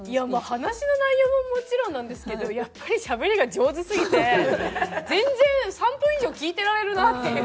話の内容ももちろんなんですけどやっぱりしゃべりが上手すぎて全然３分以上聞いてられるなっていう。